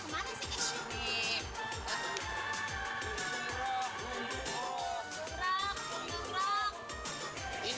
burung bu destiny